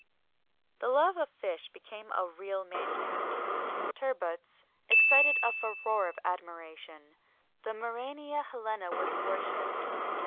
[XXI 18] The love of fish became a real mania: turbots excited a furore of admiration the muræna Helena was worshipped.